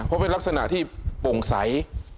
เพราะเป็นลักษณะที่โปร่งใส